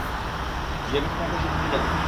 যে বেঁচে থাকবে, সে জিতে যাবে।